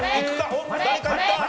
おっ誰かいった。